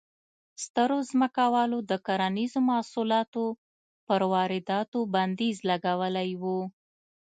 سترو ځمکوالو د کرنیزو محصولاتو پر وارداتو بندیز لګولی و.